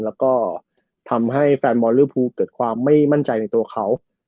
แล้วก็ทำให้แฟนบอลลิวภูเกิดความไม่มั่นใจในตัวเขา